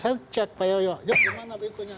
saya cek pak yoyok yuk gimana berikutnya